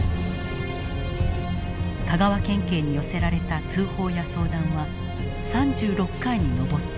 香川県警に寄せられた通報や相談は３６回に上った。